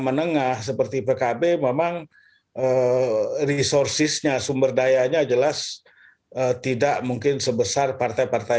menengah seperti pkb memang resourcesnya sumber dayanya jelas tidak mungkin sebesar partai partai